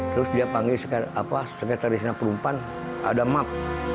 terus dia panggil sekretarisnya perumpan ada map